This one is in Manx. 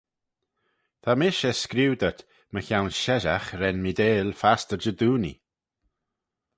Ta mish er screeu dhyt mychione sheshaght ren meeteil fastyr Jedoonee.